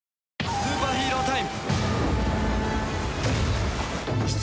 スーパーヒーロータイム。